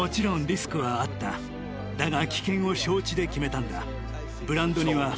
だが。